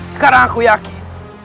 sekarang aku yakin